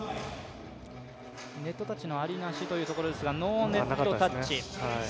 ネットタッチのあり、なしというところですがノーネットタッチ。